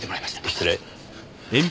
失礼。